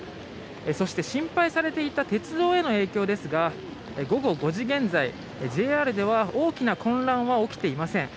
そして、心配されていた鉄道の影響ですが午後５時現在、ＪＲでは大きな混乱は起きていません。